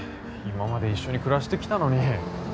今まで一緒に暮らしてきたのに。